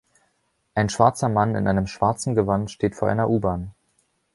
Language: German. Ein schwarzer Mann in einem schwarzen Gewand steht vor einer U-Bahn.